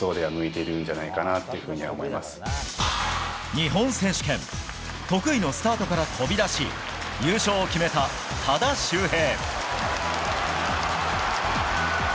日本選手権得意のスタートから飛び出し優勝を決めた多田修平。